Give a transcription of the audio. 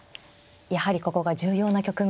やはりここが重要な局面と。